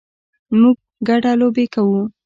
موږ ګډه لوبې کوو